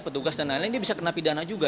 petugas dan lain lain dia bisa kena pidana juga